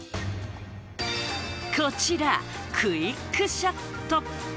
こちらクイックシャット。